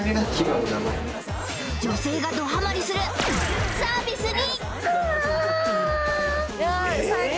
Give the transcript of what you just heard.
女性がどハマりするサービスにいやあ最高！